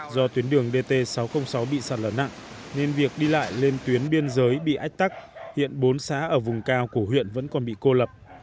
do tuyến đường dt sáu trăm linh sáu bị sạt lở nặng nên việc đi lại lên tuyến biên giới bị ách tắc hiện bốn xã ở vùng cao của huyện vẫn còn bị cô lập